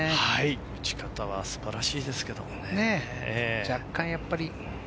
打ち方は素晴らしいですけどね。